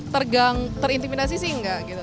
tergang terintimidasi sih enggak gitu